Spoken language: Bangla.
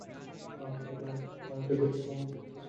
আজও যখন আব্বুর হাতে আংটিটা দেখি, আমার বুক ভেসে যায় সুখের জলে।